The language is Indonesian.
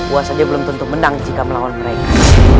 wah saja belum tentu menang jika melawan mereka